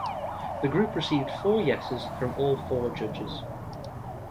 The group received four yeses from all four judges.